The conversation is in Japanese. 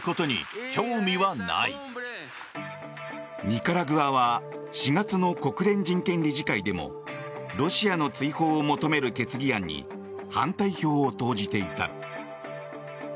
ニカラグアは４月の国連人権理事会でもロシアの追放を求める決議案に反対票を投じていた。